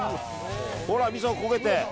ほら、みそが焦げて。